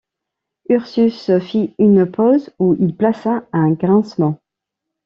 Ursus fit une pause où il plaça un grincement.